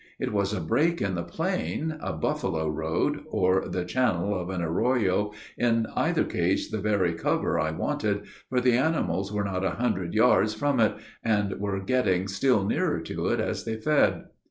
It was a break in the plain, a buffalo road, or the channel of an arroyo, in either case, the very cover I wanted, for the animals were not a hundred yards from it; and were getting still nearer to it as they fed.